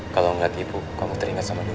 kalau ngeliat ibu kamu teringat sama ibu